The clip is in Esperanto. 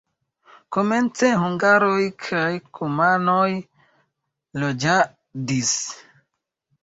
Komence hungaroj kaj kumanoj loĝadis.